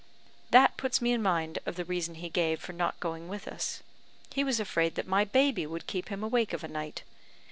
"That puts me in mind of the reason he gave for not going with us. He was afraid that my baby would keep him awake of a night.